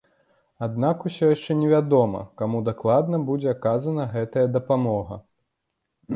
Аднак усё яшчэ невядома, каму дакладна будзе аказаная гэтая дапамога.